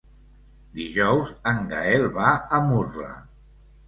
Dijous en Gaël va a Murla.